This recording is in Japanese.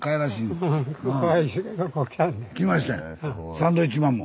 サンドウィッチマンも。